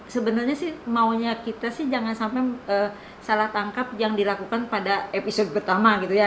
sebenarnya sih maunya kita sih jangan sampai salah tangkap yang dilakukan pada episode pertama gitu ya